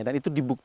dan itu diberikan